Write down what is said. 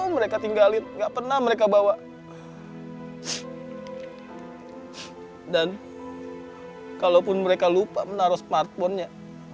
mereka tinggalin gak pernah mereka bawa dan kalaupun mereka lupa menaruh smartphone nya